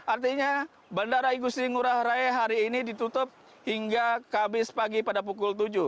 artinya bandara igusti ngurah rai hari ini ditutup hingga kabis pagi pada pukul tujuh